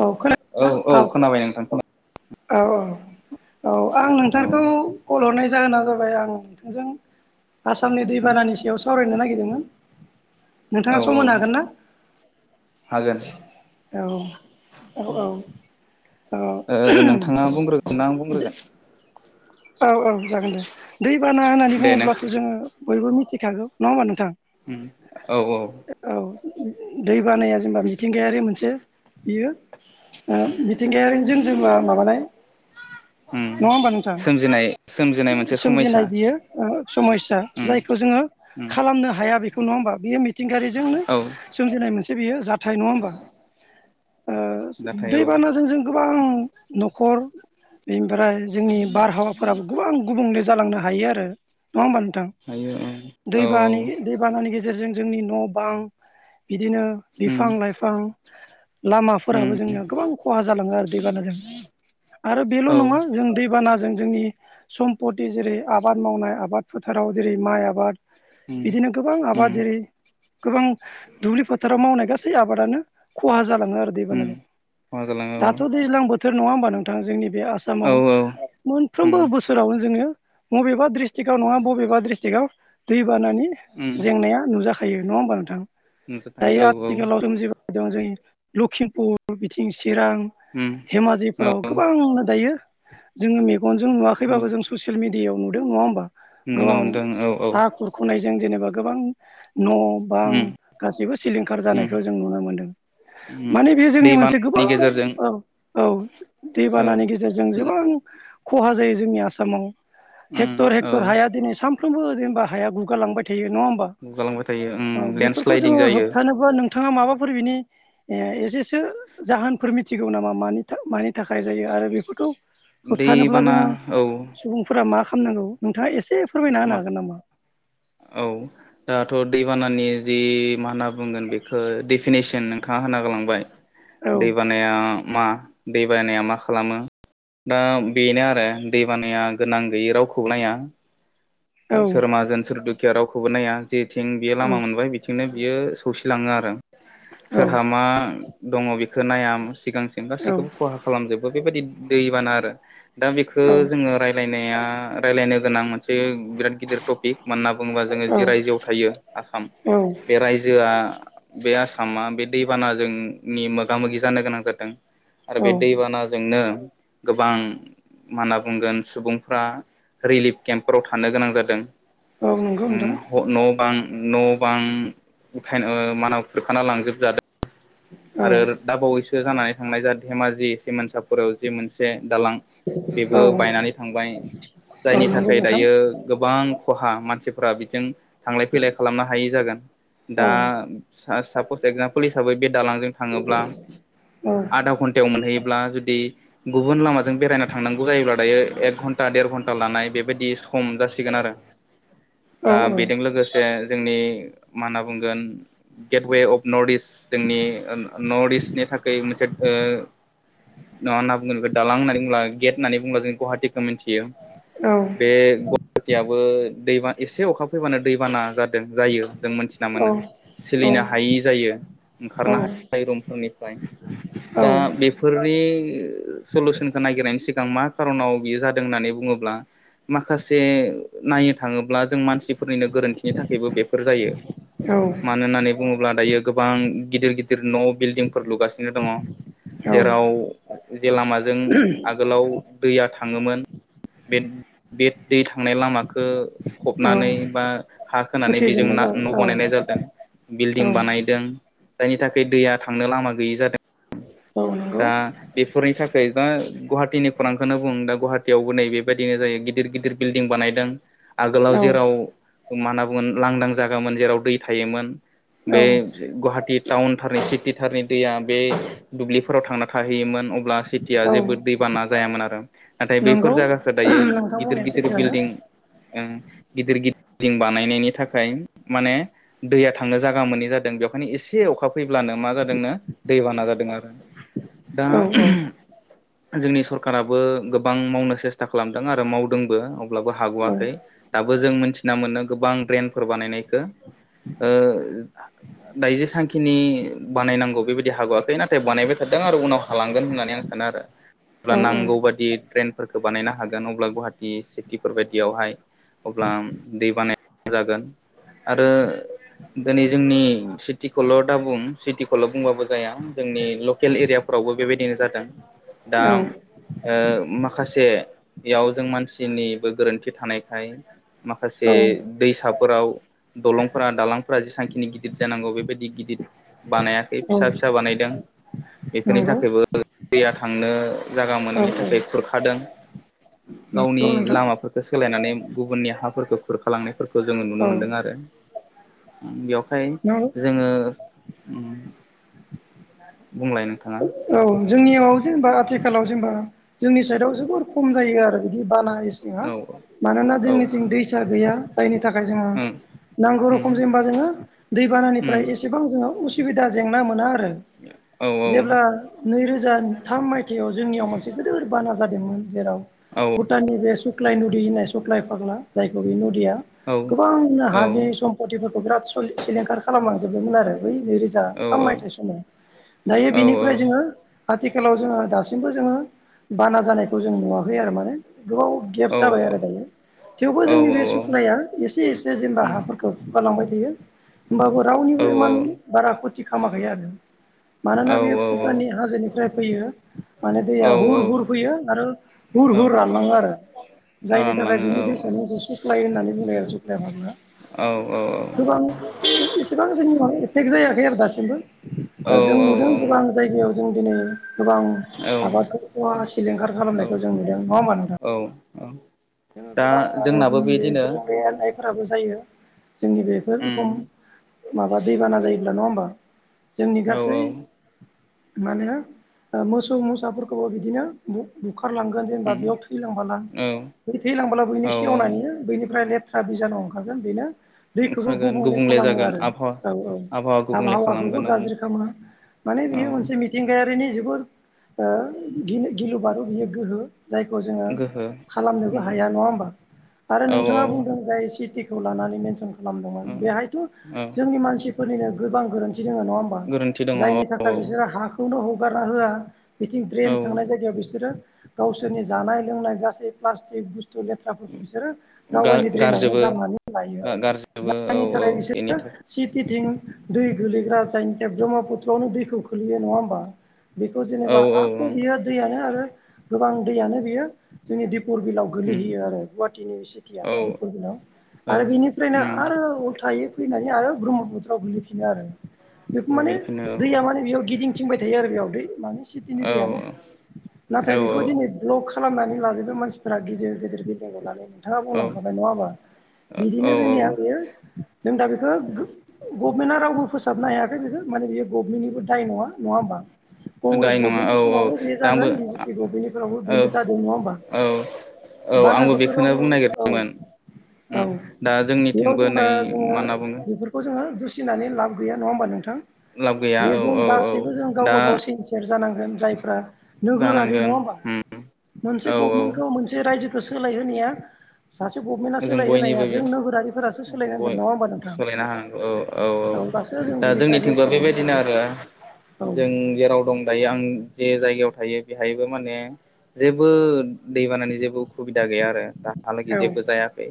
औ खोना औ औ खोनाबाय नोंथां खोनाय औ औ औ आं खोनाबाय नोंथांखौ कल हरनाय जाहोना जाबाय आं नोंथांजों आसामनि दैबानानि सायाव सावरायनो नागिरदोंमोन औ नोंथाङा सम औ होनो हागोन ना? हागोन औ औ औ औ नोंथाङा बुंग्रोगोन ना आं बुंग्रोगोन। औ औ जागोन दे दैबाना होननानै दे नों बुङोब्लाथ' जोङो बयबो मिथिखागौ नङा ओमबा नोंथां? औ औ औ दै बानाया जेनेबा मिथिंगायारि मोनसे बियो। मिथिंगायारि जों जोङो माबानाय उम नङा ओमबा नोंथां? सोमजिनाय सोमजिनाय मोनसे समायसा सोमजिनाय बियो समयया उम जायखौ जोङो उम खालामनो हाया बेख नङा होमबा बियो मिथिंगायारिजोंनो औ सोमजिनाय मोनसे बेयो सोमजिनाय जाथाय नङा ओमबा? जाथाय औ दैबानाजों जों गोबां न'खर बेनिफ्राय जोंनि आबहावाफोराबो गोबां गुबुंले जालांनो हायो आरो नङा होमबा नोंथां हायो ओं औ औ दैानि उम दैबानानि गेजेरजों जोंनि न' ओं बिदिनो बिफां लाइफां उम लामाफोराबो जोंनिया गोबां खहा जालाङो आरो दैबानाजों आरो बेल' औ नङा जों दैबाना जों जोंनि सम्पति जेरै आबाद मावनाय आबाद फोथाराव जेरै माइ आबाद उम बिदिनो गोबां उम आबाद जेरै गोबां दुब्लि फोथाराव मावनाय गासै आबादानो खहा जालाङो आरो उम दैबानाजों खहा जालाङो दाथ' दैज्लां बोथोर नङा होमबा नोंथां जोंनिब बे औ आसामाव औ उम मोनफ्रोमबो बोसोरावनो जोङो बबेबा डिस्ट्रिक्आव नङा बबेबा डिस्ट्रिक्आव दैबानानि उम जेंनाया नुजाखायो। थायो नङा होमबा नोंथां दायो नुजाथायो औ औ आथिखालाव जों जेबो दं जों लखिमपुर बिथिं सि चिरां उम धेमाजिफोराव औ गोबांनो दायो। जोङो मगजों नुवाखैबाबो जों ससियेल मिडयाआव नुदों नङा ओमबा? नुनो गोबां मोनदों औ औ हा खुरखुनायजों जेनेबा गोबां न' बां उम गाैबो सिलिंखार उम जानायखौ जों नुनो मोनदों। उम माने बेयो जोंनि मोनसे दैबानानि गोबां गेजेरजों औ औ औ दैबानानि गेजेरजों गोबां खहा जायो जोंनि आसामाव उम हेक्टर औ हेक्टर हाया दिनै साम फ्रोमबो जेनेबा हाया गुगालांबाय थायो नङा ओमबा गुगालांबाय थायो उम औ बेफोरखौ लेन्डस्लाइदिं जोङो जायो होबथानोबा नों बिथाङा माबाफोर बिनि एसेसो जाहोनफोर मिथिगौ नामा म मानि थाखाय जायो। आरो बेफोरखौ होबथानोब्ला दैबाना जोङो औ सुबुंफोरा मा खालामनांगौ नोंथाङा एसे फोरमायना मा होनो हागोन नामा? औ दाथ' दैबानानि जि मा होनना बुंगोन बेखौ डेफिनेसन नोंथाङा होना गालांबाय। औ दै बानाया मा दै बानाया मा खालामो। दा बेनो आरो दैबानाया गोनां गैयै रावखौ नाया। औ सोरमाजोन सोरदुखिया रावखौबो नाया जेथिं बेयो औ लामा मोनबाय बिथिंनो बियो सौसिलाङो आरो औ सोरहा मा दङ बेखौ नाया सिगांसिन गासैखौबो खहा खालामजोबो बेबायदि दैबाना आरो। दा बेखौ औ जोङो रायलायनाया रायज्लायनो गोनां मोनसे बिराद गिदिर टपिक म होनना बुङोबा जोङो जि रायजोआव थायो आसाम औ बे रायजोआ बे आसामा बे दैबानाजोंनि मोगा मोगि जानो गोनां जादों। आरो औ बे दैबानाजोंनो गोबां मा होनना बुंगोन सुबुंफ्रा रिलिफ केम्पाव थां थानो गोनां जादों औ नंगौ नोंथां न' बां न' बां उथायनो ओ मानाव खुरखाना लांजोबजादों। औ आरो दाबावैसो जानानै थांनाय धेमाजि सिमानसाफोराव जि मोनसे दालां बेबो औ बायनानै थांबाय औ जायनि नंगौ थाखाय नोंथां दायो गोबां खहा मानसिफ्रा बिजों थांलाय फैलाय खालामनो हायै जागोन औ दा सा एजामोल हिसाबै बे दालांजों थाङोब्ला औ आदा घणट मोनहै ल्बा जुदि गुबुन लामाजों बेरायना थांनांगौ जायोब्ला दायो एक घन्टा देर घन्टा लानाय बेबायदि खम जासिगोन आरो औ दा बेजों लोगोसे जोंनि मा होनना बुंगोन गेटवे अफ नर्थ इस्ट जोंनि नर्थ इस्टनि थाखाय मोनसे ओ मा होनना बुंगोन दालां होननानै बुंब्ला गेट होननानै ब बुंब्ला जों गुवाहाटिखौ मिन्थि औ औ बे गवाहाटियाबो दैबा एसे अखा फैबानो दैबाना जादों जायो जों मोनथिना मोनो सोलिनो हायि जायो। ओंखारनो हायो रुमफोरनिफ्राय दा बेफोरनि सलुसनखौ ननायागिरनायनि सिगां मा खार'नाव बियो जादों होननानै बुङोब्ला माखासे नायनो थाङोब्ला जों मानसिफोरनिनो गोरोन्थिनि थाखायबो बेफोर जायो ‌ मानो होननानै बुङोब्ला दायो गोबां गिदिर गिदिर न' बिल्डिंफोर लुगासिनो दङ। जेराव जे लामाजों आगोलाव दैया थ थाङोमोन बे बे दै थांनाय लामखौ फबनानै बा हा खोनानै बेजों होथेजोबनाय ना जाबाय न' बानायनाय औ जादों औ बिल्डिं बानाय जायनि थाखाय दैया थांनो लामा गैयि जादों। औ नंगौ दा बेफोरनि थाखाय दा गुवाहाटिनि खौरांखौनो बुं दा गुवाहाटियावबो नै बेबायदिनो जायो गिदिर गिदिर बिल्डिं बानायदों। आगोलाव औ जेराव मा होनना बुगोन लांदां जागामोन जेराव दै थायोमोन औ बे गुवाहाटि टाउन थारनि सिटि थारनि दैया बे दुब्लिफोराव थांना थाहैयोमोन। ब्ला सिटिया औ जेबो दैबाना जायामोन आरो नाथाय बैफोर नंगौ जायगाखौ दायो नोंथां गिदिर बुंनाया गिदिर सैथोआनो बिल्डिं गिदिर गिदिरं बानायनायनि थाखाय माने दैया थांनो जायागा मोनै जादों बेयाव मानानि एसे अखा फैब्लानो मा जादोंनो दैबाना जादों आरो। दा औ औ जोंनि सरखाराबो गोबां मावनो सेस्था खालामदों आरो मावदोंबो। ल्बाबो औ हाग'वाखै दाबो जों मिथि मोन गोबां ड्रेनफोर बानायनायखौ ओ दाइजि सांखिनि बानायनांगौ बेबायदि हाग'आखै नाथाय बानायबाय थादों आरो उनाव हालांगोन होननानै आं स खोन आरो ‌ जेब्ला औ औ नांगौ बायदि ड्रेनफोरखौ बानायनो हागोन अब्ला गुवाहाटि सिटिफोर बायदियावहाय अब्ला दै बानाय जागोन आरो दिनै जोंनि सिटिखौल' दा बुं सिटिखौल' बुंबाबो जाया जोंनि लकेल एरियाफ्रावबो बेबायदिनो जादों। दा औ ओ माखासेयाव जों मानसिनिबो गोरोन्थि थानायखाय माखासे औ दैसाफोराव दलंफोरा दालांफोरा जेसांखिनि गिदिर जानांगौ बेबायदि गिदिर बानायाखै औ फिसा फिसा बानायदों बेफोरनि नंगौ थाखायबो दैया थांनो जागा औ मोनैनि थाखाय खुरखादों गावनि नंगौ नोंथां लामाफोरखौ सोलायनानै गुबुननि हाफोरखौ खुरखालांनायफोरखौ खौ जोंङो नुनो औ मोनदों आरो बेवहाय नंगौ जोंङो बुंलाय नोंथांङा औ जोंनियाव जेनेबा आथिखालाव जेनेबा जोंनि साइदआव जोबोर खम जायो आरो बिदि बाना इसिंङा औ मानोना औ जोंनिथिं दैसा गैया जायनि थाय जोंङो उम नांगौ उम रखम जेनबा जोंङो उम दैबानानिफ्राय एसेबां उसु सुबिदा जेंना मोना आरो औ औ जेब्ला नैरोजा थाम मायथाइयाव जोंनियाव मोनसे गिदोर बाना जादोंमोन जेराव औ भुटाननि बे सुख्लाय नुदि होननाय सुख्लाय फाग्ला जायखौ बे न यिया औ गोबां औ हानि सम्पतिफोरखौ बिराद सलि सिलिंखार खालाम लांजोबबायमोन आरो। बै नैरोजा औ थाम मायथाइ समाव दायो बेनिफ्राय जोंङो आथिखालाव जोंङो दासिमबो जोंङो बाना जानायखौ जों नुवाखै आरो माने गोबाव गेपस औ जाबाय आरो दायो। थेवबो औ जोंनि औ बे औ सुखनाया एसे एसे जेनेबा उम हाफोरखौ गालांबाय थायो होमबाबो औ रावनिबो औ इमान बारा खथि खामायाखै आरो। मानोना औ बेयो औ फुटाननि हाजोनिफ्राय फैयो माने औ दैया हुर हुर फैयो आरो हुर औ हुर रानलांङो आरो। जायनि थाखाय रानलाङो बिनि औ दैसानिखौ सुप्लाय होननानै बुंङो। औ [unintelligible] गोबां इसेबां जोंनि फेक्ट जायाखै आरो औ दासिमबो जों नुदों गोबां जायगायाव जों दिनै गोबां औ आबादखौ अवा सिलिंखार औ खालामनायखौ जों नुदों नंङा होमबा नोंथां? औ औ जोंङो दा गोबां आरो जोंनाबो जोंनि बे बेदिनो [unintelligible] फोराबो जायो जोंनि बेफोर उम खम माबा दैबाना जायोब्ला नंङा होमबा? जोंनि औ गासै औ माने मोसौ मोसाफोरखौबो बिदिनो बु-बु बुखारलांगोन जेनेबा उम बेयाव थैलांब्ला औ थैलांब्ला बैनि औ औ सेवनायनि बैनिफ्राय लेथ था बिजान' ओंखारगोन बेनो दैखौबो ओंखारगोन गुबुंले खालामो जागोन आरो आबहावा औ औ आबहावा गुबुंले आबहावाखौबो खालामगोन गाज्रि खालामा माने औ बेयो मोनसे मिथिंगायारिनि जु गुर ओ गिलु-गिलु बारु बियो गोहो जायखौ जोंङो गोहो खालामनोबो हाया औ नंङा होमबा आरो नोंथांङा औ बुंदों जाय सि टि खौ लानानै मेनसन खालामदोंमोन औ बेहायथ' औ जोंनि मानसिफोरनिनो गोबां गोरोन्थि दंङ नंङा होमबा गोरोन्थि दङ औ जायनि औ थाखाय बिसोरो हाखौनो हगारना होआ बिथिं ड्रेन औ थांनाय जायगायाव बिसोरो गावसोरनि जानाय लोंनाय गासै थ्रि बुस्थु लेथ्राफोरखौ बिसोरो गावनि ड्रेनावनो गारजोबो गारनानै लायो गारजोबो औ जायनि औ थाखाय बेनि सोरो सिटि थ्रिं दै गोलैग्रा जायनि थाखाय ब्रह्मपुत्रआवनो दैखौ खोलैयो नंङा होमबा? बेखौ थाखाय औ जेनेबा औ आख' बियो दैयानो आरो गोबां दैयानो बियो जोंनि दिब परबिलाव गोलैहैयो आरो गुवाहाटि इउनिभारसिटिया औ दिपरबिलाव औ आरो बेनिफ्रायनो आरो उलथायै फैनानै आरो ब्रह्मफुथ्रयाव गोग्लैफिनो आरो बे माने गोग्लैफिनो औ दैया म बेयाव गिदिं थिंबाय थायो आरो बेयाव दै माने सिटिनि औ दैयानो नाथाय बेखौ दिनै ब्लक खालामनानै लाजोबो मानसिफोरा गिदिर गिदिर गेजेरखौ लानानै नोंथांङा औ बुंलांखाबाय नंङा होमबा? औ औ बिदिनो औ जोंनि बियो जों दा बेखौ गो गभमेन्टआ रावबो फोसाबनो हायाखै बेखौ माने बेयोभमेन्टनिबो दाय नंङा होमबा? कंग्रेस दाय नङा गभमेन्टनि औ औ समावबो बेयो दा आंबो जागोन बिजिपि गभमेन्टनिफोरावबो औ बेनो जादों नंङा होमबा? औ औ आंबो बानाखौथ' बेखौनो रावबो बुंनो औ नागिरदोंमोन औ दा बेयाव जोंनिथिंबो जेनेबा नै जोंङो मा होनना बुंगोन बेफोरखौ जों ङो दुसि लाब गैया नंङा होनबा नोंथां? लाब गैया बे औ जों औ औ गासैबो जों दा गावबा-गाव इनसोरस जानांगोन जायफ्रा नोगोरारि नंङा जानांगोन होमबा उम मोनसे औ गफमेन्ट औ रायजोखो सोलायहोनाया सासे गभमेन्टआ जों सोलायहोनाया बयनिबो इयो जों नोगोरारिफोरासो जों सोलायनांगोन बय नङा होमबा सोलायना हा ओ औ औ नोंथां अब्लासो जों दा बिनिफ्राय जोंनिथिंबो रैखा बेबायदिनो मोननो आरो। जों जेराव दं दायो आं जे जायगायाव थायो बेहायबो माने जेबो दै बानानि जेबो उखुबिदा गैया आरो दाहालागै हागोन जेबो जायाखै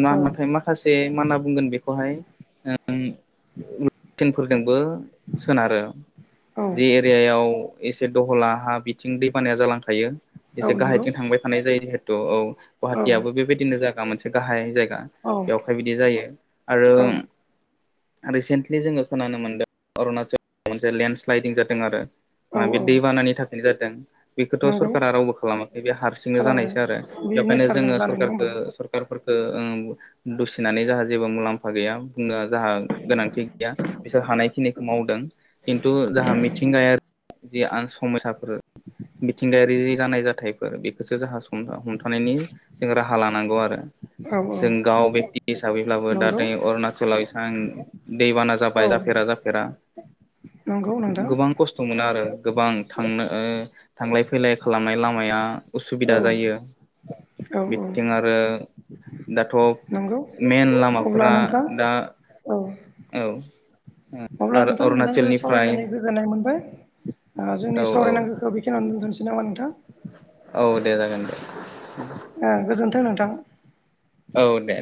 औ नाथाय माखासे मा होनना बुंगोन बेखौहाय ओम थिनफोरजोंबो सोनारो जि एरियायाव एसे दहला हा बिथिं दैबानाया जालांखायो एसे गाहायथिं थांबाय थानाय जायो जिहेथु औ गुवाहाटियाबो बेबायदिनो जागा मोनसे गाहाय जायगा औ बेवहाय बिदि जायो आरो औ रिसेन्टलि जोंङो खोनानो मोनदों अरुणचल मोनसे लेन्डस्लाइदिं जादों आरो। औ नंगौ औ माबे औ दैबानानि थाखाय जादों। बेखौथ' नंगौ सरकारा रावबो खालामाखै बे हारसिंनो खालामगोन जानायसो आरो बे बेवहायनो नेचारजों जोंङो जानाय नङा सरकारखो होमबा सरकारफोर ओ उम दुसिनानै जाहा जेबो मुलाम्फा गैया बुंनो जोंहा गोनांथि गैया बिसोर हानायखिनिखौ मावदों खिन्थु जाहा मिथिंगाया जि आन समयसाफोर मिथिंगायारि जानाय जाथायफोर बेखोसो जोहा हमथानायनि जों राहा लानांगौ आरो। औ औ जों गाव बेक्ति हिसाबैब्लाबो दा नंगौ नै अरुणचलाव एसां दैबाना औ जाबाय जाफेरा-जाफेरा नंगौ नोंथां गोबां खस्थ' मोनो आरो गोबां थांनो ओ थांलाय-फैलाय खालामनाय लामाया उसुबिदा औ जायो। औ बिथिं औ आरो दाथ' नंगौ मेन अब्ला लामाफोरा नोंथां दा औ औ अब्ला आरो नोंथां नोंथांजों अरुणाचलनिफ्राय सावरायनानै गोजोननाय मोनबाय ओ औ जोंनि औ सावरायनांगोखौ बेखिनियावनो दोनथ'नोसै नामा नोंथां औ दे जागोन दे ओ गोजोन्थों नोंथां औ दे